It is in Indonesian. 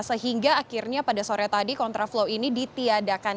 sehingga akhirnya pada sore tadi kontraflow ini ditiadakan